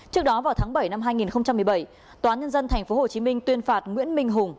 trước đó vào tháng bảy năm hai nghìn một mươi bảy tòa nhân dân tp hcm tuyên phạt nguyễn minh hùng